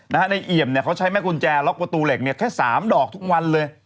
ในเอี่ยมเนี่ยเขาใช้แม่กุญแจล็อกประตูเหล็กเนี่ยแค่๓ดอกทุกวันเลย